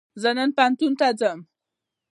زه نن پوهنتون ته ځم